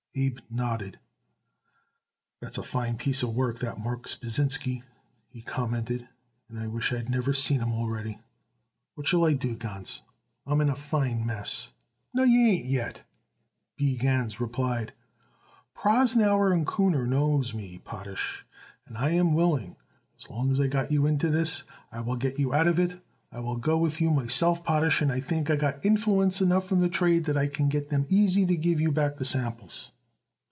Abe nodded. "That's a fine piece of work, that Marks Pasinsky," he commented. "I wish I had never seen him already. What shall I do, Gans? I am in a fine mess." "No, you ain't yet," B. Gans replied. "Prosnauer and Kuhner knows me, Potash, and I am willing, as long as I got you into this, I will get you out of it. I will go with you myself, Potash, and I think I got influence enough in the trade that I could easy get them to give you back them samples."